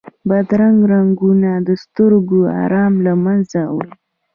بدرنګه رنګونه د سترګو آرام له منځه وړي